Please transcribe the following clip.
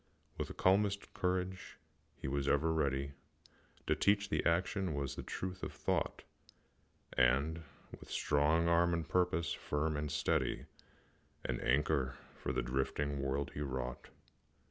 With calmest courage he was ever ready To teach that action was the truth of thought, And, with strong arm and purpose firm and steady, An anchor for the drifting world he wrought.